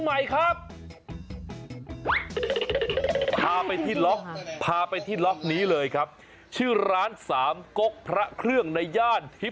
ให้ก็ไม่ได้คิดว่ามีจริงนะ